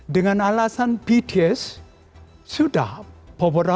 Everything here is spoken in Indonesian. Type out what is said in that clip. dengan alasan bts sudah beberapa kali berkata